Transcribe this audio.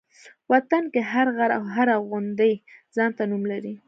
وطن کې هر غر او هره غونډۍ ځان ته نوم لري.